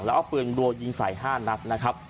แล้วเอาปืนรัวยิงสายถือ๕นับนะครับ